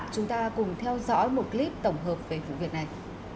chúng ta cùng theo dõi một clip tổng hợp về vụ việc này